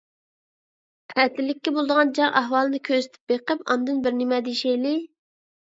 ئەتىلىككە بولىدىغان جەڭ ئەھۋالىنى كۆزىتىپ بېقىپ ئاندىن بىرنېمە دېيىشەيلى.